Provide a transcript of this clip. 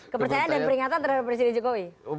kepercayaan dan peringatan terhadap presiden jokowi